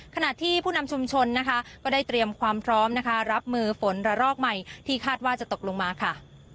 ขณะที่ผู้นำชุมชนนะคะก็ได้เตรียมความพร้อมนะคะรับมือฝนระลอกใหม่ที่คาดว่าจะตกลงมาค่ะ